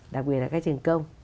đặc biệt là các trường công